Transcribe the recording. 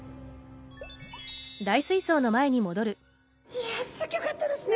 いやすギョかったですね。